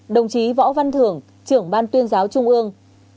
một mươi sáu đồng chí võ văn thưởng trưởng ban tuyên giáo trung ương